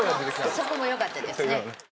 そこも良かったですね。